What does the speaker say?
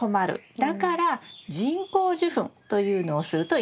だから人工授粉というのをするといいんです。